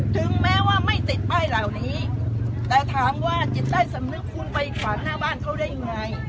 ถึงแม้ว่าไม่ติดป้ายเหล่านี้แต่ถามว่าจิตใต้สำนึกคุณไปขวางหน้าบ้านเขาได้ยังไง